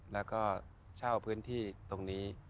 แล้วก็เช่าพื้นที่ตรงนี้